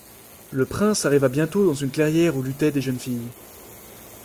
Le prince arriva bientôt dans une clairière où luttaient des jeunes filles.